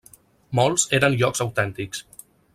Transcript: Molts eren llocs autèntics.